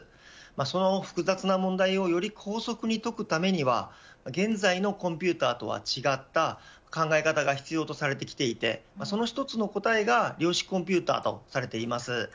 その複雑な問題をより高速に解くためには現在のコンピューターとは違った考え方が必要だとされてきていてその一つの答えが量子コンピューターとされています。